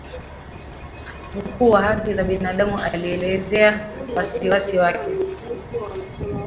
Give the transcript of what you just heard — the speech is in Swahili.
Mkuu wa haki za binadamu alielezea wasiwasi wake